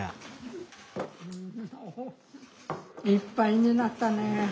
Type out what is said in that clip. いっぱいになったね。